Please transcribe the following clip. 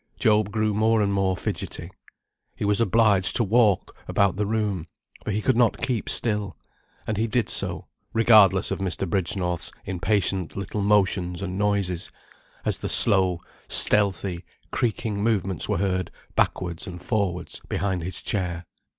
Job grew more and more fidgetty. He was obliged to walk about the room, for he could not keep still; and he did so, regardless of Mr. Bridgenorth's impatient little motions and noises, as the slow, stealthy, creaking movements were heard, backwards and forwards, behind his chair.